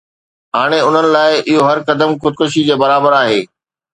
هاڻي انهن لاءِ اهڙو هر قدم خودڪشي جي برابر آهي